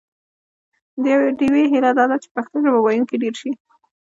د ډیوې هیله دا ده چې پښتو ژبه ویونکي ډېر شي